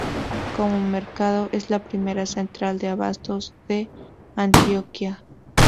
Como mercado es la primera central de abasto de Antioquia.